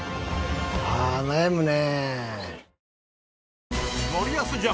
ああ悩むね。